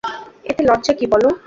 এতে লজ্জা কী বলো!